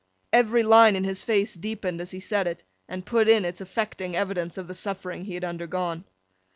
Every line in his face deepened as he said it, and put in its affecting evidence of the suffering he had undergone.